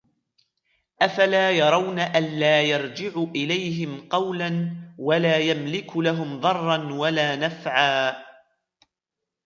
أَفَلَا يَرَوْنَ أَلَّا يَرْجِعُ إِلَيْهِمْ قَوْلًا وَلَا يَمْلِكُ لَهُمْ ضَرًّا وَلَا نَفْعًا